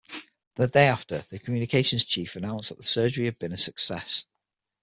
The day after, the communications chief announced that the surgery had been a success.